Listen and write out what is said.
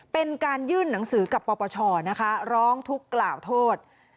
เป็นการยื่นหนังสือกับปปชนะคะร้องทุกข์กล่าวโทษ